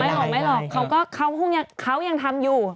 ออกไม่หรอกเขาก็เขายังทำอยู่